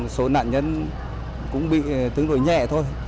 số nạn nhân cũng bị tướng đổi nhẹ thôi